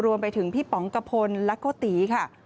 รวมไปถึงพี่ป๋องกะพลและโกติค่ะ